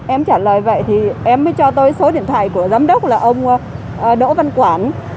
em trả lời vậy thì em mới cho tôi số điện thoại của giám đốc là ông đỗ văn quản